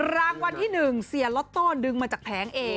รางวัลที่หนึ่งเสียล็อโต้ดึงมาจากแท้งเอง